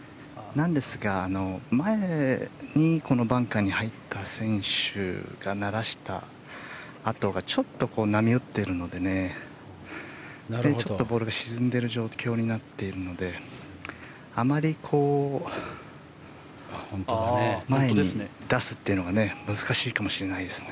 なんですが、前にバンカーに入った選手がならした跡がちょっと波打ってるのでちょっとボールが沈んでいる状況になっているのであまり前に出すというのが難しいかもしれないですね。